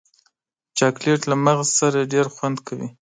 چاکلېټ له مغز سره ډېر خوند کوي.